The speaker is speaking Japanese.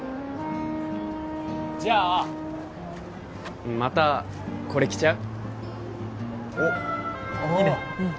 じゃあまたこれ着ちゃう？